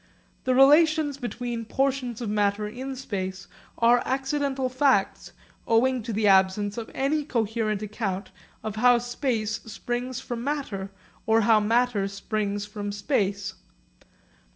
The relations between portions of matter in space are accidental facts owing to the absence of any coherent account of how space springs from matter or how matter springs from space.